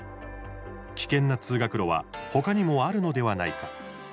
危険な通学路はほかにもあるのではないか。